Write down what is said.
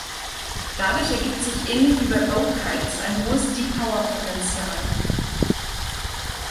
Dadurch ergibt sich ähnlich wie bei Bow-Kites ein hohes Depower-Potential.